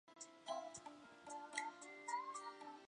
兴和二年十月廿一日葬于邺城西面漳水以北。